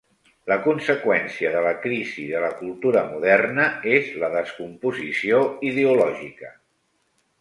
La conseqüència de la crisi de la cultura moderna és la descomposició ideològica.